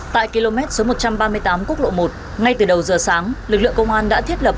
tại km số một trăm ba mươi tám quốc lộ một ngay từ đầu giờ sáng lực lượng công an đã thiết lập